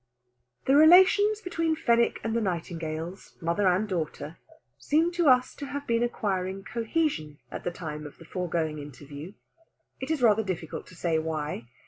The relations between Fenwick and the Nightingales, mother and daughter, seem to us to have been acquiring cohesion at the time of the foregoing interview. It is rather difficult to say why.